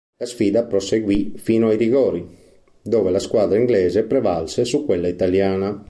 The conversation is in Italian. La sfida proseguì fino ai rigori, dove la squadra inglese prevalse su quella italiana.